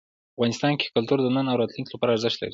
افغانستان کې کلتور د نن او راتلونکي لپاره ارزښت لري.